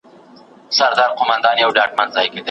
استقامت د ايمان د ثبات مهمه برخه ده.